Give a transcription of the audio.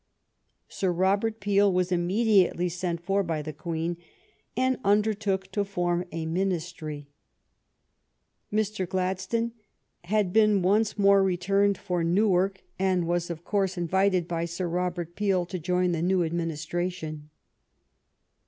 Sir Robert Peel was imme diately sent for by the Queen, and undertook to form a Ministry. Mr. Gladstone had been once more returned for Newark, and was, of course, 84 THE STORY OF GLADSTONES LIFE invited by Sir Robert Peel to join the new administration.